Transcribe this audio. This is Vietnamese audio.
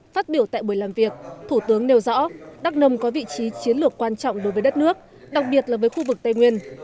phát biểu tại buổi làm việc thủ tướng nêu rõ đắk nông có vị trí chiến lược quan trọng đối với đất nước đặc biệt là với khu vực tây nguyên